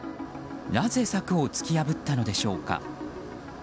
なぜ柵を突き破ったのでしょうか。